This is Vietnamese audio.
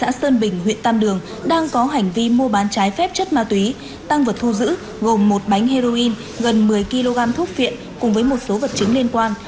nù a mình chú tại xã sơn bình huyện tam đường đang có hành vi mua bán trái phép chất ma túy tăng vật thu giữ gồm một bánh heroin gần một mươi kg thuốc viện cùng với một số vật chứng liên quan